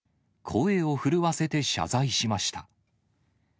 声を震わせて謝罪しました。